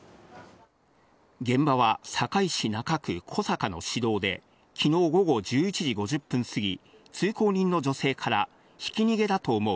現場は堺市中区小阪の市道で、昨日午後１１時５０分すぎ、通行人の女性からひき逃げだと思う。